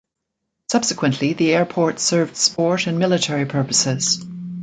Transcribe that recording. Subsequently, the Airport served sport and military purposes.